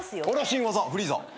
新技フリーザ。